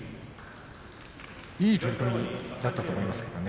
いい取組だったと思いますよね。